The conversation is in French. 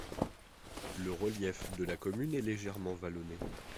Le relief de la commune est légèrement vallonné.